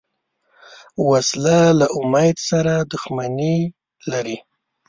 وسله له امید سره دښمني لري